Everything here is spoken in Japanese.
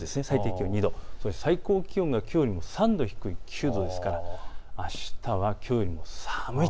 最高気温がきょうより３度低い９度ですからあしたはきょうよりも寒いと。